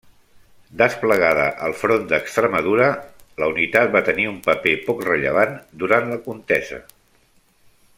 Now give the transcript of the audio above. Desplegada al front d'Extremadura, la unitat va tenir un paper poc rellevant durant la contesa.